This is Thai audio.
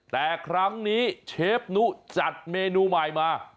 แต่ครั้งนี้เชฟนุจัดเมนูใหม่มา